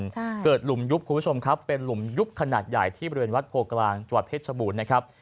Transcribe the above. ใช่เกิดหลุมยุบคุณผู้ชมครับเป็นหลุมยุบขนาดใหญ่ที่บริเวณวัดโพกลางจังหวัดเพชรชบูรณ์นะครับ